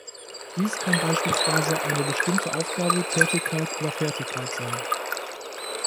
Dies kann beispielsweise eine bestimmte Aufgabe, Tätigkeit oder Fertigkeit sein.